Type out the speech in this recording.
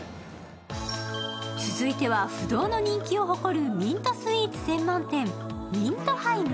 続いては、不動の人気を誇るミントスイーツ専門店・ＭＩＮＴＨＥＩＭ。